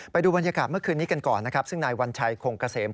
ไปดูบรรยากาศเมื่อคืนนี้กันก่อนซึ่งนายวัญชัยโครงกระเสม